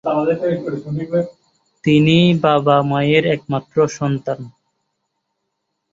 তিনি বাবা-মায়ের একমাত্র সন্তান।